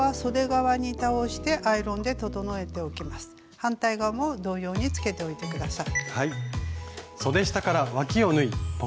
反対側も同様につけておいて下さい。